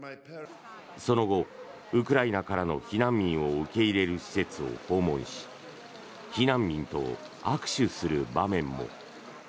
その後ウクライナからの避難民を受け入れる施設を訪問し避難民と握手する場面も。